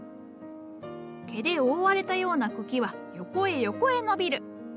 毛で覆われたような茎は横へ横へ伸びる。